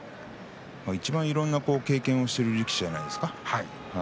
いちばん経験をしている力士じゃないですか。